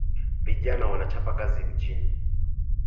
Vijana wanachapa kazi mjini